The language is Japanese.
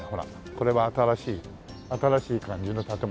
これは新しい感じの建物。